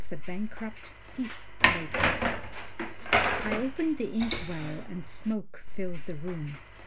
The Bankrupt Peace Maker I opened the ink well and smoke filled the room.